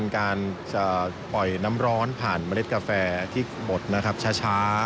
การปล่อยน้ำร้อนผ่านเมล็ดกาแฟที่หมดช้า